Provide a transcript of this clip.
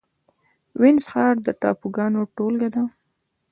وینز ښار د ټاپوګانو ټولګه ده